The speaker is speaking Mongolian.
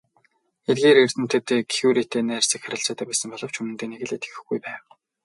Эдгээр эрдэмтэд хоёр Кюретэй найрсаг харилцаатай байсан боловч үнэндээ нэг л итгэхгүй байв.